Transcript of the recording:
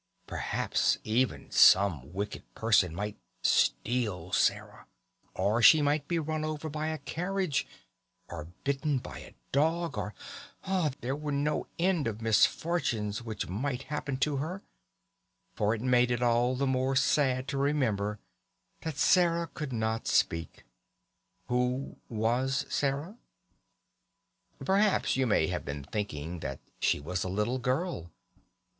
Perhaps even some wicked person might steal Sarah, or she might be run over by a carriage, or bitten by a dog, or there were no end of misfortunes which might happen to her, for it made it all the more sad to remember that Sarah could not speak. Who was Sarah? Perhaps you may have been thinking that she was a little girl.